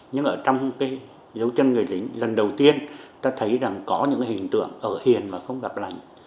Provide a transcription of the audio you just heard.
nhưng ở trong cái dấu chân người lính lần đầu tiên ta thấy rằng có những hình tượng ở hiền mà không gặp lành